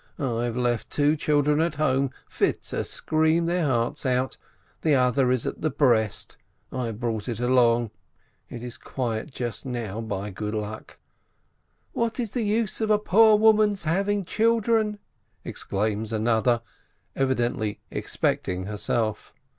I've left two children at home fit to scream their hearts out. The other is at the breast, I have brought it along. It is quiet just now, by good luck." "What is the use of a poor woman's having children ?" exclaims another, evidently "expecting" herself.